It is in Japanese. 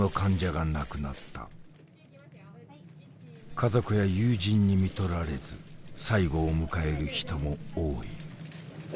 家族や友人にみとられず最期を迎える人も多い。